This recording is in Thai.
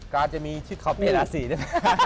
การจะมีชิดขอบเพลศีนี่